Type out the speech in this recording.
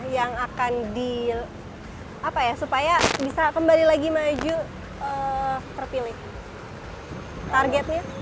yang akan di apa ya supaya bisa kembali lagi maju terpilih targetnya